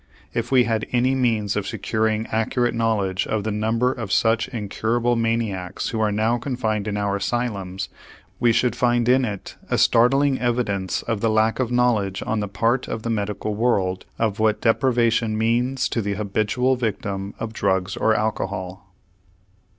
If we had any means of securing accurate knowledge of the number of such incurable maniacs who are now confined in our asylums, we should find in it a startling evidence of the lack of knowledge on the part of the medical world of what deprivation means to the habitual victim of drugs or alcohol.